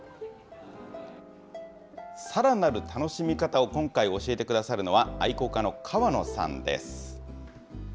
さらなる楽しみ方を今回、教えてくださるのは、愛好家の川野さんです。